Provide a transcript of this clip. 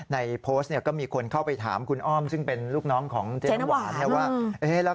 ในโพสต์เนี่ยก็มีคนเข้าไปถามคุณอ้อมซึ่งเป็นลูกน้องของเจ๊น้ำหวานเนี่ยว่า